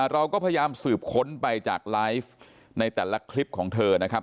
เราก็พยายามสืบค้นไปจากไลฟ์ในแต่ละคลิปของเธอนะครับ